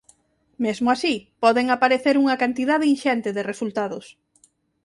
Mesmo así poden aparecer unha cantidade inxente de resultados.